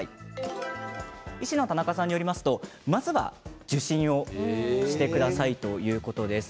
医師の田中さんによるとまずは受診をしてくださいということです。